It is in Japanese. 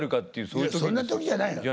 いやそんな時じゃないの。